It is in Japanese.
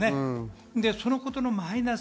そのことのマイナス。